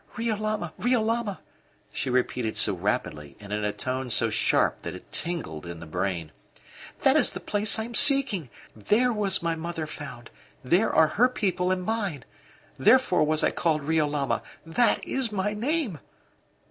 "Riolama! Riolama!" she repeated so rapidly and in a tone so sharp that it tingled in the brain. "That is the place I am seeking! There was my mother found there are her people and mine! Therefore was I called Riolama that is my name!"